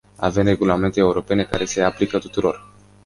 Avem regulamente europene care se aplică tuturor.